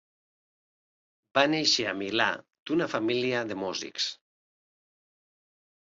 Va néixer a Milà d'una família de músics.